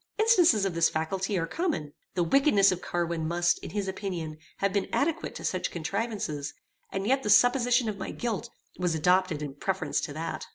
Instances of this faculty are common. The wickedness of Carwin must, in his opinion, have been adequate to such contrivances, and yet the supposition of my guilt was adopted in preference to that.